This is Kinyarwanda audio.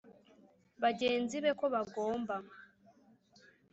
bagenzi be ko bagomba